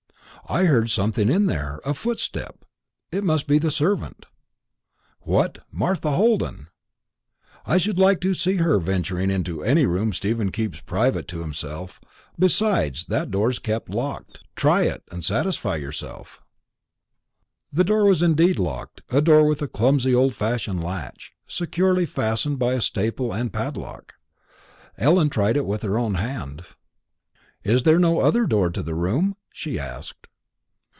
"I heard something in there a footstep. It must be the servant." "What, Martha Holden! I should like to see her venturing into any room Stephen keeps private to himself. Besides, that door's kept locked; try it, and satisfy yourself." The door was indeed locked a door with a clumsy old fashioned latch, securely fastened by a staple and padlock. Ellen tried it with her own hand. "Is there no other door to the room?" she asked.